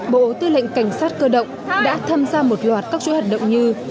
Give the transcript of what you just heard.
bộ tư lệnh cảnh sát cơ động đã tham gia một loạt các chỗ hạt động như